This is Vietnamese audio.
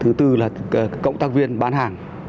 thứ tư là cộng tác viên bán hàng